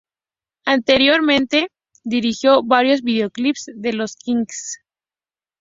Anteriormente, dirigió varios videoclips de Los Kinks.